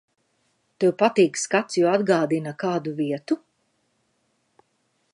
Tev patīk skats, jo atgādina kādu vietu?